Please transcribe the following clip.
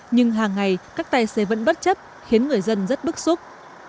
nhưng hàng ngày các tài xế vẫn bất chấp khiến người dân rất bức xúc